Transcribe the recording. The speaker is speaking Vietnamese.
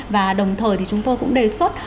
và đồng thời thì chúng tôi cũng đề xuất